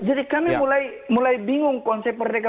jadi kami mulai bingung konsep merdeka belajar